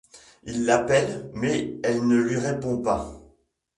Il l'appelle, mais elle ne lui répond pas.